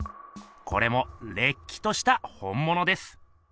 これもれっきとした本ものです。